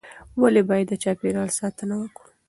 ولې باید د چاپیریال ساتنه وکړو؟